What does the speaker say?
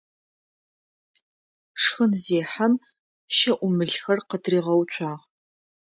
Шхынзехьэм щэӏумылхэр къытыригъэуцуагъ.